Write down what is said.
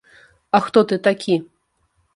А хто ты такі?!